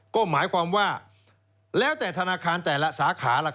ก็หมายความว่าแล้วแต่ธนาคารแต่ละสาขา